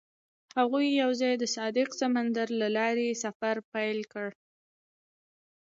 هغوی یوځای د صادق سمندر له لارې سفر پیل کړ.